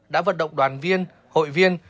đã vận động đoàn viên hội viên